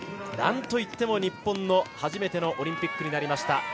なんといっても日本の、初めてのオリンピックになりました